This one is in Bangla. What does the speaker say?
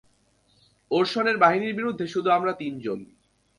ওরসনের বাহিনীর বিরুদ্ধে শুধু আমরা তিনজন।